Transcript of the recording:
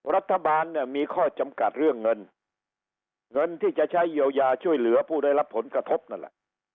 รัฐบาลเนี่ยมีข้อจำกัดเรื่องเงินเงินที่จะใช้เยียวยาช่วยเหลือผู้ได้รับผลกระทบนั่นแหละ